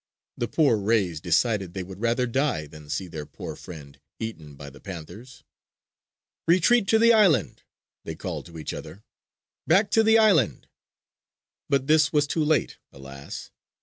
The poor rays decided they would rather die than see their poor friend eaten by the panthers. "Retreat to the island!" they called to each other. "Back to the island!" But this was too late, alas.